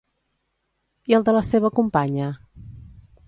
I el de la seva companya?